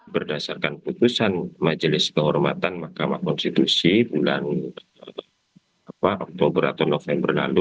berdasarkan putusan majelis kehormatan mahkamah konstitusi bulan oktober atau november lalu